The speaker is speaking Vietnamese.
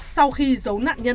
sau khi giấu nạn nhân